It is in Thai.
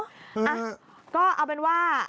อ่ะก็เอาเป็นว่า